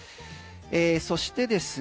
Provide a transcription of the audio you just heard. そしてですね